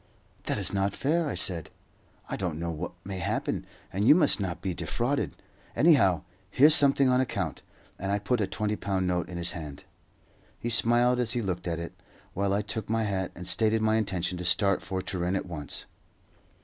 "That is not fair," I said. "I don't know what may happen, and you must not be defrauded. Anyhow, here's something on account;" and I put a twenty pound note in his hand. He smiled as he looked at it, while I took my hat, and stated my intention to start for Turin at once.